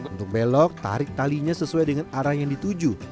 untuk belok tarik talinya sesuai dengan arah yang dituju